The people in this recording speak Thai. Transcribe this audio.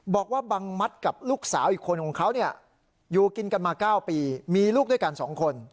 บอกว่าบังมัดกับลูกสาวอีกคนของเขาอยู่กินกันมา๙ปีมีลูกด้วยกัน๒คน